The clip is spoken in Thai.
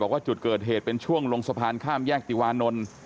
ว่าจุดเกิดเหตุเป็นช่วงลงสะพานข้ามแยกติวานนท์